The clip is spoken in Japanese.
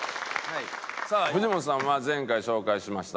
さあ藤本さんは前回紹介しました